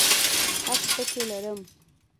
حق پکې لرم.